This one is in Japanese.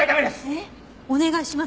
えっお願いします。